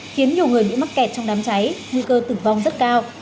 khiến nhiều người bị mắc kẹt trong đám cháy nguy cơ tử vong rất cao